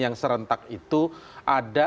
yang serentak itu ada